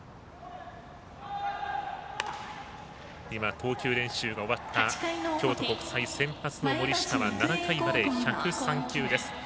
投球練習が終わった京都国際先発の森下は７回まで１０３球です。